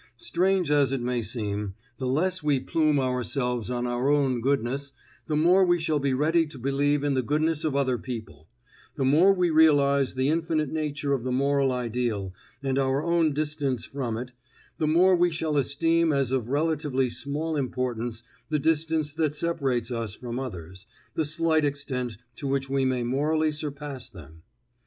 Strange as it may seem, the less we plume ourselves on our own goodness, the more we shall be ready to believe in the goodness of other people; the more we realize the infinite nature of the moral ideal and our own distance from it, the more we shall esteem as of relatively small importance the distance that separates us from others, the slight extent to which we may morally surpass them.